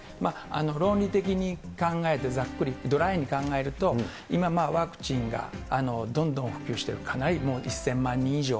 論理的に考えて、ざっくり、ドライに考えると、今、ワクチンがどんどん普及している、かなりもう１０００万人以上。